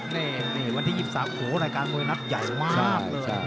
นี่วันที่๒๓โอ้โหรายการมวยนัดใหญ่มากเลย